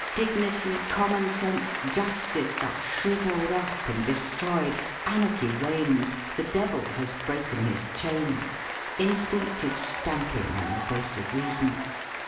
Dignity, common sense, justice are shrivelled up and destroyed. Anarchy reigns. The devil has broken his chain. Instinct is stamping on the face of reason.